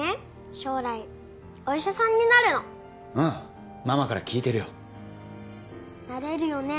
将来お医者さんになるのうんママから聞いてるよなれるよね？